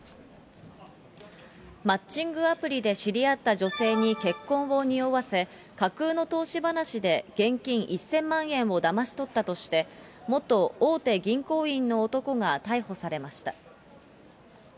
マッチングアプリで知り合った女性に結婚をにおわせ、架空の投資話で現金１０００万円をだまし取ったとして、元大手銀行員の男が逮捕されました。